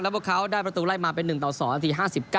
แล้วเขาได้ประตูไล่มาเป็น๑๒นักที๕๙